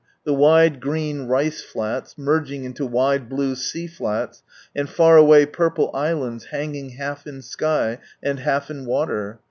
The wide green rice flats, merging into wide blue sea flats, and far away purple islands hanging half in sky and half in water.